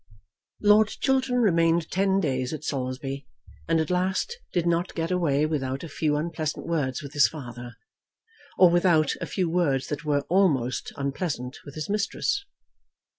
Lord Chiltern remained ten days at Saulsby, and at last did not get away without a few unpleasant words with his father, or without a few words that were almost unpleasant with his mistress.